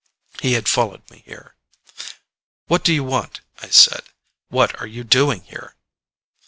He had followed me here. "What do you want?" I said. "What are you doing here?"